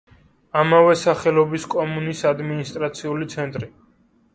ამავე სახელობის კომუნის ადმინისტრაციული ცენტრი.